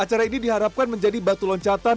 acara ini diharapkan menjadi batu loncatan